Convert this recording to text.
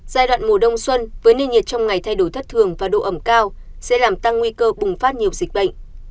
giai đoạn mùa đông xuân với nền nhiệt trong ngày thay đổi thất thường và độ ẩm cao sẽ làm tăng nguy cơ bùng phát nhiều dịch bệnh